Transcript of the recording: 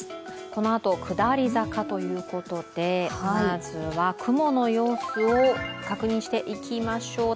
このあと、下り坂ということでまずは雲の様子を確認していきましょう。